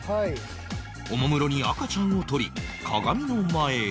おもむろに赤ちゃんを取り鏡の前へ